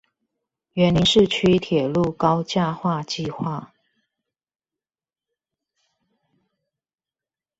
員林市區鐵路高架化計畫